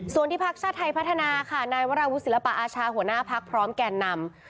ส่วนที่พักชาติไทยพัฒนาค่ะนายวราวุศิลปะอาชาหัวหน้าพักพร้อมแก่นำ